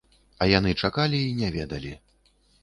А яны чакалі й не ведалі.